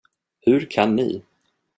Hur kan ni.